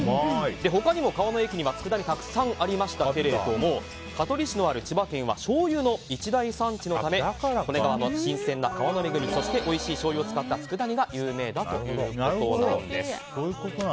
他にも川の駅にはつくだ煮がたくさんありましたが香取市のある千葉県はしょうゆの一大産地のため利根川の新鮮な川の恵みそして、おいしいしょうゆを使ったつくだ煮が有名だということなんです。